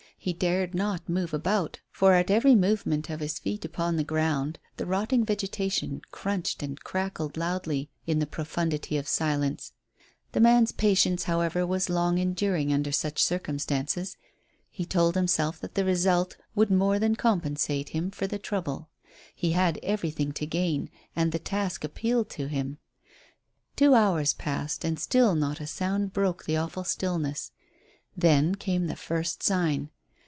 He dared not move about, for at every movement of his feet upon the ground the rotting vegetation crunched and crackled loudly in the profundity of silence. The man's patience, however, was long enduring under such circumstances. He told himself that the result would more than recompense him for the trouble. He had everything to gain, and the task appealed to him. Two hours passed and still not a sound broke the awful stillness. Then came the first sign.